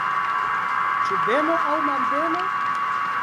Ĉu beno aŭ malbeno?